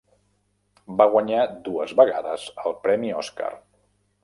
Va guanyar dues vegades el Premi Oscar.